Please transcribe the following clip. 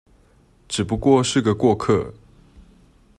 只不過是個過客